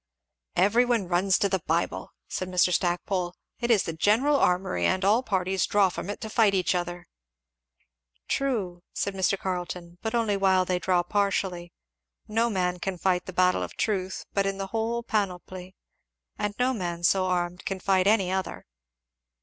"Every one runs to the Bible!" said Mr. Stackpole. "It is the general armoury, and all parties draw from it to fight each other." "True," said Mr. Carleton, "but only while they draw partially. No man can fight the battle of truth but in the whole panoply; and no man so armed can fight any other."